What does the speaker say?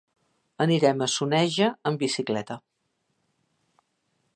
Anirem a Soneja amb bicicleta.